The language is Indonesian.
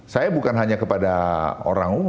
saya bukan hanya kepada orang umum